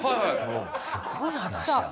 すごい話だな。